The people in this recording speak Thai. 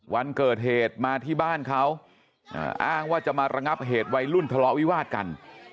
วันเกิดเหตุมาที่บ้านเขาอ้างว่าจะมาระงับเหตุวัยรุ่นทะเลาะวิวาดกัน